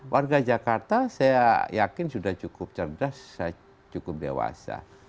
warga jakarta saya yakin sudah cukup cerdas saya cukup dewasa